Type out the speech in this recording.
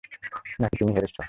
নাকি তুমি হেরেছ?